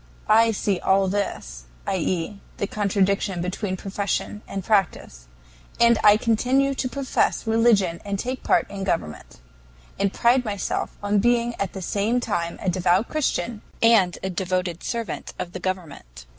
"I see all this (i. e., the contradiction between profession and practice), and I continue to profess religion and take part in government, and pride myself on being at the same time a devout Christian and a devoted servant of the government.